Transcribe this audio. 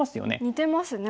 似てますね。